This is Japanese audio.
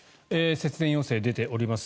節電要請が出ております。